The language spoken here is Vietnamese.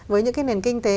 với những cái nền kinh tế